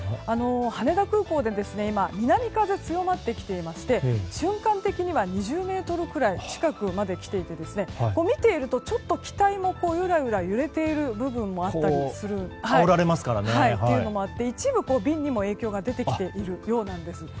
羽田空港で南風が強まってきていまして瞬間的には２０メートル近くまで来ていて見ているとちょっと機体もゆらゆら揺れている部分もあって一部便にも影響が出てきているんです。